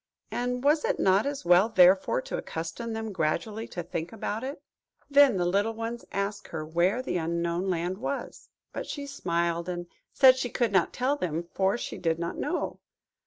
and was it not as well, therefore, to accustom them gradually to think about it? Then the little ones asked her where the Unknown Land was. But she smiled, and said she could not tell them, for she did not know.